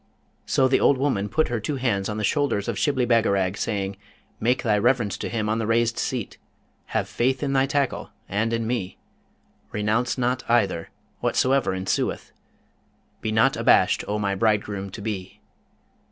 So the old woman put her two hands on the shoulders of Shibli Bagarag, saying, 'Make thy reverence to him on the raised seat; have faith in thy tackle and in me. Renounce not either, whatsoever ensueth. Be not abashed, O my bridegroom to be!'